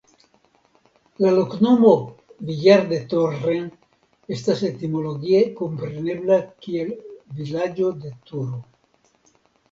La loknomo "Villar de Torre" estas etimologie komprenebla kiel "Vilaĝo de Turo".